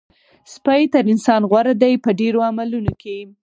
سپی تر انسان غوره دی په ډېرو عملونو کې.